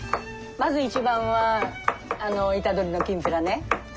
まず一番はイタドリのきんぴらね。